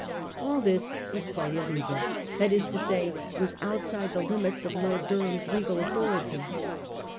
All this was quite illegal ; that is to say, was outside the limits of Lord Dur ham's legal authority.